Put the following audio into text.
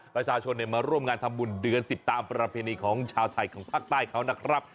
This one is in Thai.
ประชาชนมาร่วมงานทำบุญเดือน๑๐ตามประเพณีของชาวไทยของภาคใต้เขานะครับ